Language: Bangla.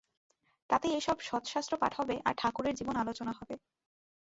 তাতে এইসব সৎশাস্ত্র-পাঠ হবে, আর ঠাকুরের জীবন আলোচনা হবে।